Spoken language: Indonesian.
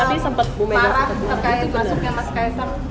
tapi sempat ibu mega